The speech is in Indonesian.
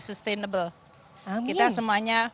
sustainable kita semuanya